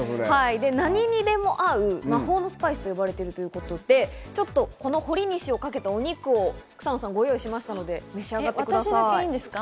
何にでも合う魔法のスパイスと呼ばれているということで、ちょっとこの、ほりにしをかけたお肉を草野さん、ご用意しましたので召し上がってください。